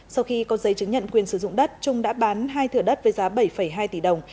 sau khi có giấy chứng nhận quyền sử dụng đất trung đã bán hai thửa đất với giá bảy hai tỷ đồng